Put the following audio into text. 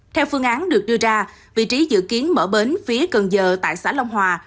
theo phương án được đưa ra vị trí dự kiến mở bến phía cần giờ tại xã long hòa